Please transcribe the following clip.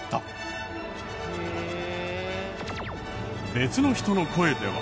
別の人の声では。